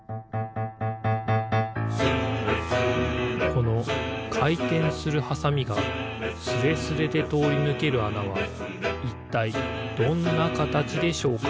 このかいてんするハサミがスレスレでとおりぬけるあなはいったいどんなかたちでしょうか？